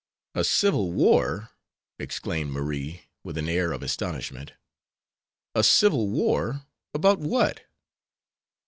"A civil war!" exclaimed Marie, with an air of astonishment. "A civil war about what?"